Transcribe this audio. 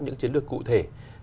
những chiến lược cụ thể